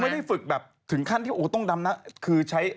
แต่ผมไม่ได้ฝึกแบบถึงขั้นที่ต้องดำน้ำ